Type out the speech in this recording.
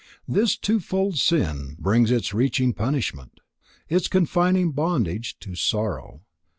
This twofold sin brings its reacting punishment, its confining bondage to sorrow.